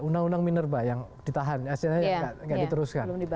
undang undang minerba yang ditahan hasilnya nggak diteruskan